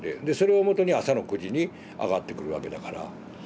でそれをもとに朝の９時に上がってくるわけだから。